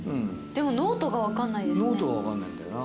でもノートが分かんないですね。